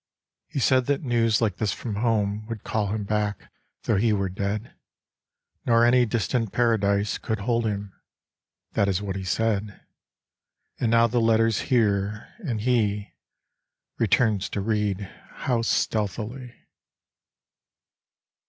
He said that news like this from home Would call him back though he were dead, Nor any distant Paradise Could hold him. That is what he said, And now the letter's here, and he Returns to read, how stealthily